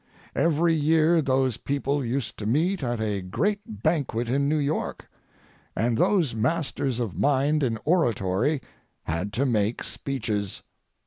Every year those people used to meet at a great banquet in New York, and those masters of mind in oratory had to make speeches.